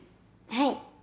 はい。